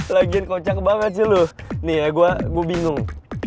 lagian kocak banget sih lo nih ya gue bingung